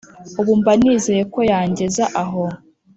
ubu mba nizeye ko yangeza aho